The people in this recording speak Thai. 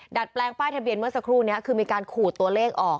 แปลงป้ายทะเบียนเมื่อสักครู่นี้คือมีการขูดตัวเลขออก